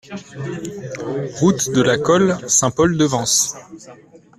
Route de la Colle, Saint-Paul-de-Vence